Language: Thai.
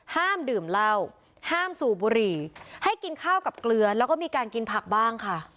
ห้ามดื่มเหล้าห้ามสูบบุหรี่ให้กินข้าวกับเกลือแล้วก็มีการกินผักบ้างค่ะ